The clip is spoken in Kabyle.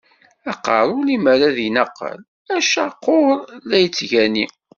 Aqerru limer ad d-inaqel, acaqur la t-yettgani.